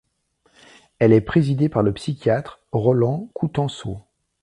Elle est présidée par le psychiatre Roland Coutanceau.